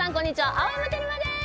青山テルマです。